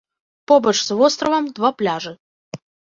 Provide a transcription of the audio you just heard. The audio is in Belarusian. Побач з востравам два пляжы.